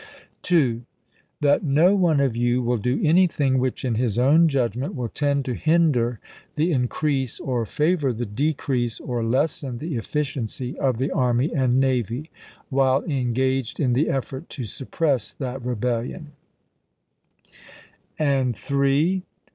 2. That no one of you will do anything which, in his own judgment, will tend to hinder the increase or favor the decrease or lessen the efficiency of the army and navy, while engaged in the effort to suppress that rebel lion j and Lincoln to 3.